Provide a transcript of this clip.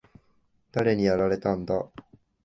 誰にやられたんだ？